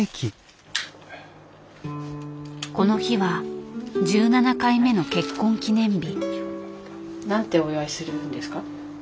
この日は１７回目の結婚記念日。